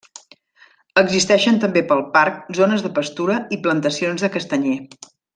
Existeixen també pel parc zones de pastura i plantacions de castanyer.